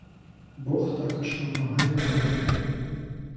Бог також вимагає нагороди.